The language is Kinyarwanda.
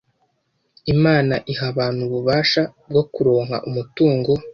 Imana iha abantu ububasha bwo kuronka umutungo